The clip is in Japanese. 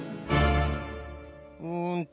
うんと。